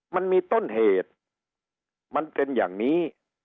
มันมีต้นเหตุมันเป็นอย่างนี้